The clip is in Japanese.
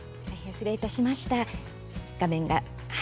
失礼いたしました。